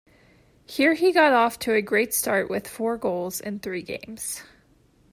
Here he got off to a great start with four goals in three games.